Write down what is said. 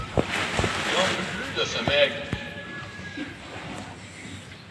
J'en peux plus de ce mec.